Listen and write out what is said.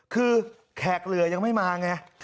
คือแขกเหลือยังไม่มาไง